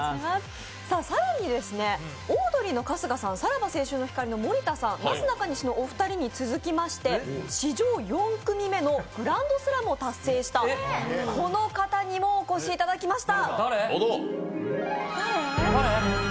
更にオードリー・春日さんさらば青春の光・森田さん、なすなかにしのお二人に続きまして史上４組目のグランドスラムを達成したこの方にもお越しいただきました。